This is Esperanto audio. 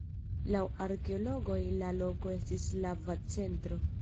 Laŭ arkeologoj la loko estis slava centro.